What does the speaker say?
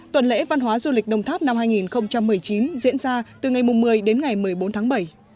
tuần lễ văn hóa du lịch đồng tháp năm hai nghìn một mươi chín diễn ra từ ngày một mươi đến ngày một mươi bốn tháng bảy